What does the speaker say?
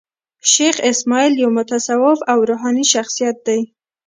شېخ اسماعیل یو متصوف او روحاني شخصیت دﺉ.